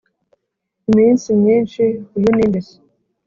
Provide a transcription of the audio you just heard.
iminsi myinshi, uyu ninde se?”